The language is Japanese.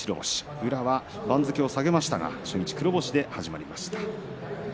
宇良が番付を下げましたが初日黒星で始まりました。